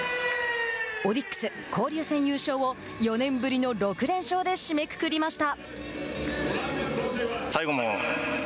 オリックス、交流戦優勝を４年ぶりの６連勝で締めくくりました。